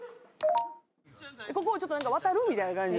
ここをちょっと渡るみたいな感じ。